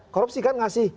korupsikan nggak sih